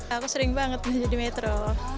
aku sering banget menjadi metro